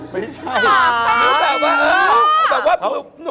ไม่ใช่